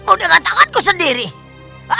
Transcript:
kode tanganku sendiri alas kamu